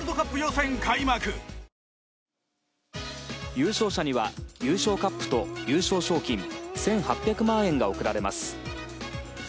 優勝者には優勝カップと優勝賞金１８００万円が贈られます。